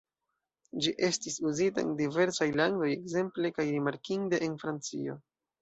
Ĝi estis uzita en diversaj landoj, ekzemple kaj rimarkinde en Francio.